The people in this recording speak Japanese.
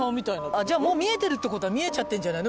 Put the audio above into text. じゃあもう見えてるって事は見えちゃってるんじゃないの？